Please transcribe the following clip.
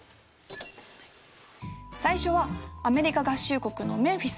最初はアメリカ合衆国のメンフィス。